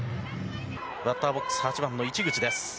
バッターボックス、８番の市口です。